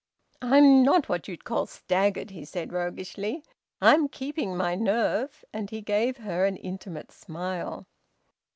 "I'm not what you'd call staggered," he said roguishly. "I'm keeping my nerve." And he gave her an intimate smile.